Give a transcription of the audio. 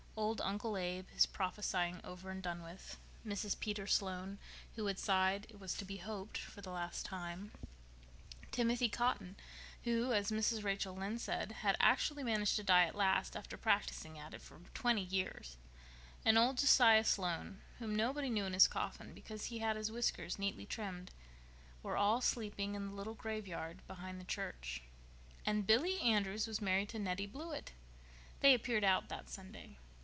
Old "Uncle Abe," his prophesying over and done with, Mrs. Peter Sloane, who had sighed, it was to be hoped, for the last time, Timothy Cotton, who, as Mrs. Rachel Lynde said "had actually managed to die at last after practicing at it for twenty years," and old Josiah Sloane, whom nobody knew in his coffin because he had his whiskers neatly trimmed, were all sleeping in the little graveyard behind the church. And Billy Andrews was married to Nettie Blewett! They "appeared out" that Sunday.